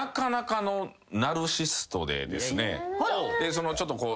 そのちょっとこう。